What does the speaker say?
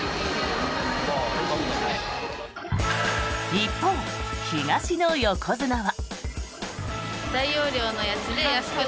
一方、東の横綱は。